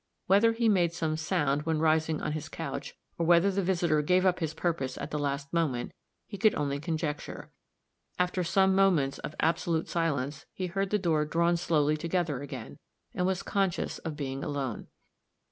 Whether he made some sound when rising on his couch, or whether the visitor gave up his purpose at the last moment, he could only conjecture; after some moments of absolute silence he heard the door drawn softly together again, and was conscious of being alone.